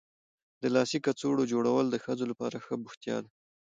د لاسي کڅوړو جوړول د ښځو لپاره ښه بوختیا ده.